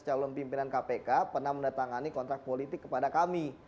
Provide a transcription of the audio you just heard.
calon pimpinan kpk pernah mendatangani kontrak politik kepada kami